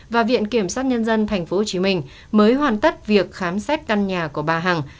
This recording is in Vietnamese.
và viện kiểm sát nhân dân tp hcm mới hoàn tất việc khám xét căn nhà của bà hằng